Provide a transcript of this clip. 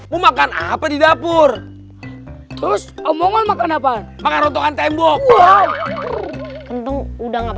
mau makan apa di dapur terus omongol makan apa maka rontokan tembok wow untuk udah nggak